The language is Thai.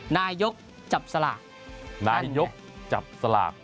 นายกจับสลาก